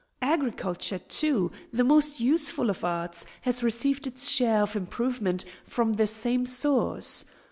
Agriculture, too, the most useful of arts, has received its share of improvement from the same source.